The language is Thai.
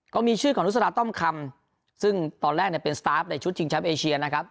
ก็มีชื่อของนุษยธรรมคำซึ่งตอนแรกเนี้ยเป็นในชุดนะครับ